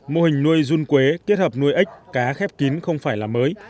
mô hình nuôi run quế kết hợp nuôi ếch cá khép kín không phải là mới